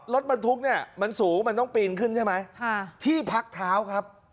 รถบรรทุกเนี่ยมันสูงมันต้องปีนขึ้นใช่ไหมที่พักเท้าครับ